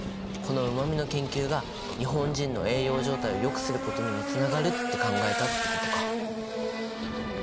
このうま味の研究が日本人の栄養状態をよくすることにもつながるって考えたってことか。